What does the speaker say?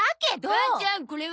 母ちゃんこれは？